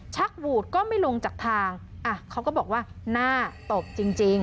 หวูดก็ไม่ลงจากทางอ่ะเขาก็บอกว่าหน้าตบจริงจริง